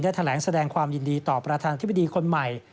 แถลงแสดงความยินดีต่อประธานธิบดีคนใหม่